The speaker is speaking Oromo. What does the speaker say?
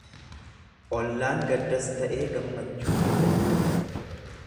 Ollaan gaddas ta'e gammachuu ni qooddata.